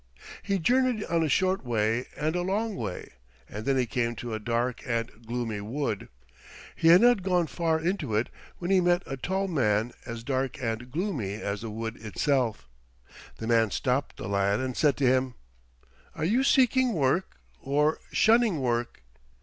He journeyed on a short way and a long way, and then he came to a dark and gloomy wood. He had not gone far into it when he met a tall man as dark and gloomy as the wood itself. The man stopped the lad and said to him, "Are you seeking work or shunning work?"